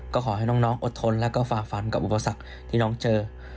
ก็ขอให้น้องอดทนแล้วก็ฝ่าฟันกับอุปสรรคที่น้องเจอ